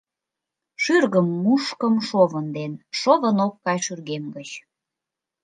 Шӱргым мушкым шовын ден, шовын ок кай шӱргем гыч